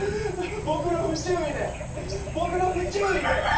僕の不注意で僕の不注意で。